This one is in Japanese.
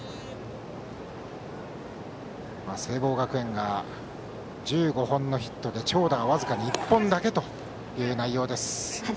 聖望学園が１５本のヒットで長打は僅かに１本だけという内容です。